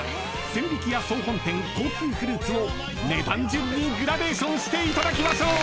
千疋屋総本店高級フルーツを値段順にグラデーションしていただきましょう］